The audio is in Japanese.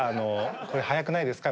これ早くないですか？